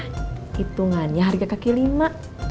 hitungannya harga kaki lima